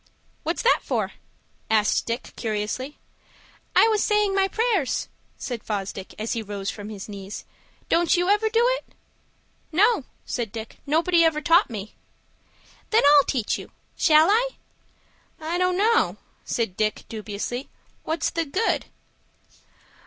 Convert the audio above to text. "What's that for?" asked Dick, curiously. "I was saying my prayers," said Fosdick, as he rose from his knees. "Don't you ever do it?" "No," said Dick. "Nobody ever taught me." "Then I'll teach you. Shall I?" "I don't know," said Dick, dubiously. "What's the good?"